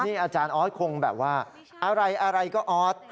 นี่อาจารย์ออสคงแบบว่าอะไรอะไรก็ออส